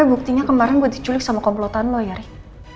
tapi buktinya kemarin gue diculik sama komplotan lo ya rik